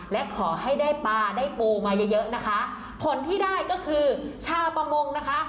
และขอให้ได้ปลาได้ปูมาเยอะเยอะนะคะผลที่ได้ก็คือชาวประมงนะคะ